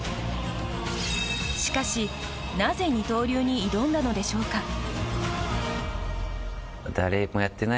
しかし、なぜ二刀流に挑んだのでしょうか。